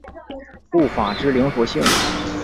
步法之灵活性。